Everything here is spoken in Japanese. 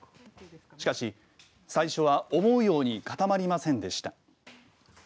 しかし、最初は思うように固まりませんでした。